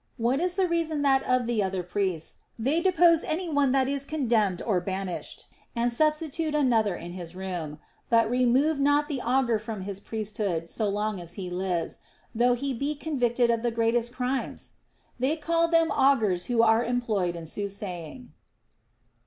What is the reason that of the other priests they depose any one that is condemned or banished, and substitute another in his room ; but remove not the augur from his priesthood so long as he lives, though he be con victed of the greatest crimes ? They call them augurs who are employed in soothsaying.